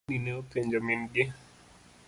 Tumaini ne openjo min gi.